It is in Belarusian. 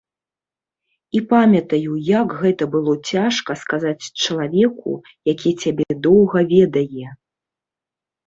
І памятаю, як гэта было цяжка сказаць чалавеку, які цябе доўга ведае.